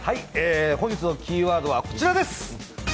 本日のキーワードはこちらです。